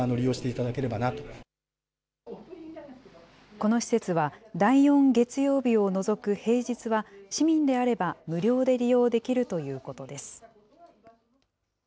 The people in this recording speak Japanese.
この施設は、第４月曜日を除く平日は、市民であれば無料で利用できるということです。